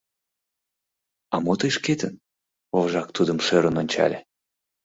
— А мо тый шкетын? — вожак тудым шӧрын ончале.